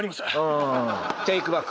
テークバック。